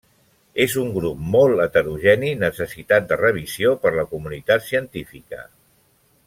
És un grup molt heterogeni, necessitat de revisió per la comunitat científica.